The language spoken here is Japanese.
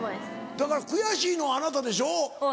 だから悔しいのはあなたでしょ？